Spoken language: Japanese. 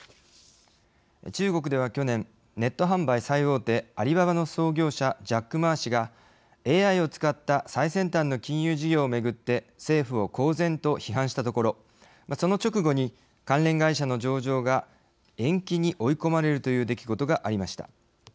中国では去年ネット販売最大手、アリババの創業者、ジャック・マー氏がＡＩをつかった最先端の金融事業をめぐって政府を公然と批判したところその直後に関連会社の上場が延期に追い込まれるという出来事がありました。